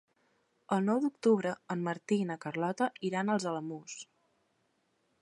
El nou d'octubre en Martí i na Carlota iran als Alamús.